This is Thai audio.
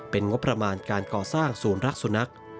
เป็นงบประมาณการก่อสร้างศูนย์รักสุนัข